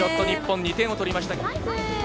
日本、２点を取りました。